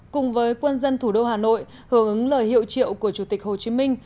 cùng với quân dân thủ đô hà nội hưởng ứng lời hiệu triệu của chủ tịch hồ chí minh